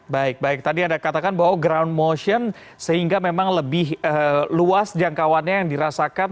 baik baik tadi anda katakan bahwa ground motion sehingga memang lebih luas jangkauannya yang dirasakan